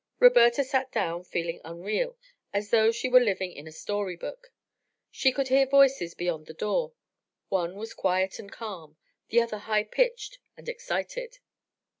Roberta sat down feeling unreal, as though she were living in a story book. She could hear voices beyond the door; one was quiet and calm, the other high pitched and excited.